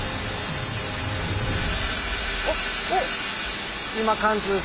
おっおっ⁉